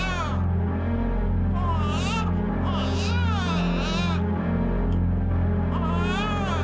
sampai jumpa di video selanjutnya